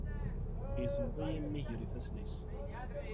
Yeẓmeḍ-iyi mmi ger ifassen-is.